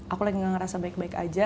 aku lagi ngerasa baik baik aja